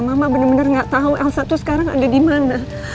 mama benar benar gak tau elsa tuh sekarang ada dimana